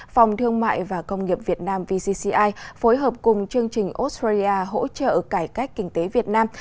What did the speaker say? phòng thương mại và công nghiệp việt nam vcci phối hợp cùng chương trình australia hỗ trợ cải cách kinh tế việt nam